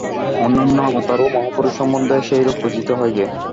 অন্যান্য অবতার ও মহাপুরুষ সম্বন্ধেও সেইরূপ বুঝিতে হইবে।